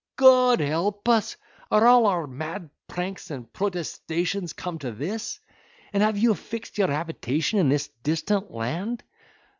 God help us! are all our mad pranks and protestations come to this? And have you fixed your habitation in this distant land?